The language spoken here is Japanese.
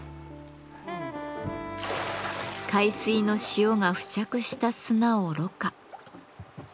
海水の塩が付着した砂を濾過。